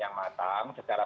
yang matang secara